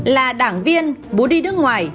là đảng viên bố đi nước ngoài